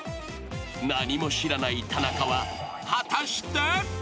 ［何も知らない田中は果たして？］